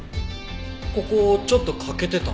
ここちょっと欠けてたの。